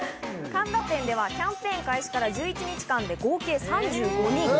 神田店ではキャンペーン開始から１１日間で合計３５人。